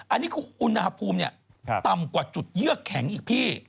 อันนี้คืออุณหภูมิต่ำกว่าจุดเยือกแข็งอีกพี่